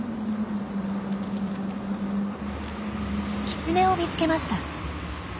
キツネを見つけました。